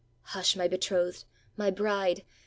"Hush, my betrothed! my bride!